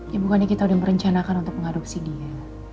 ya bukannya kita sudah merencanakan untuk mengadopsi dia